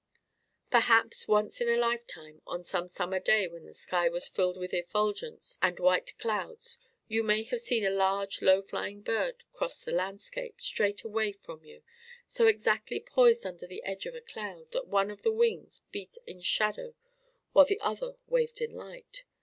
Perhaps once in a lifetime, on some summer day when the sky was filled with effulgence and white clouds, you may have seen a large low flying bird cross the landscape straight away from you, so exactly poised under the edge of a cloud, that one of the wings beat in shadow while the other waved in light.